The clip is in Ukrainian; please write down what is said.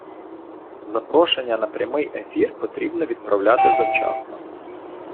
Запрошення на прямий ефір потрібно відправляти завчасно